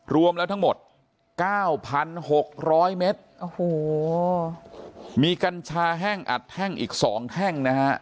รวมแล้วทั้งหมดเก้าพันหกร้อยเมตรโอ้โหมีกัญชาแห้งอัดแท่งอีก๒แท่งนะฮะ